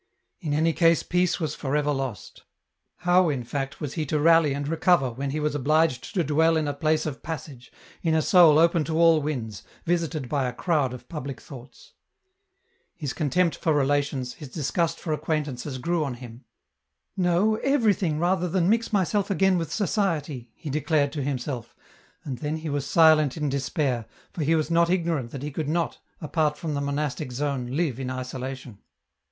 In any case peace was for ever lost. How in fact was he to rally and recover when he was obliged to dwell in a place of passage, in a soul open to all winds, visited by a crowd of public thoughts ? His contempt for relations, his disgust for acquaintances grew on him. *' No, everything rather than mix myself again with society," he declared to himself, and then he was silent in despair, for he was not ignorant that he could not, apart from the monastic zone, live in isolation.